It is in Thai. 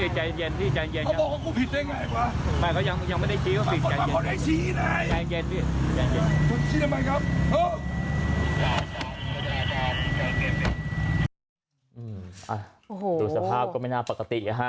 ดูสภาพก็ไม่น่าปกตินะฮะ